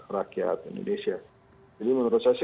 rakyat indonesia jadi menurut saya sih